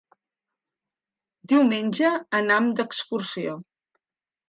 Diumenge anam d'excursió.